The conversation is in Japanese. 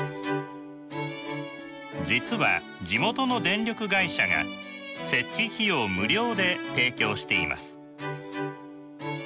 実は地元の電力会社が設置費用無料で提供しています。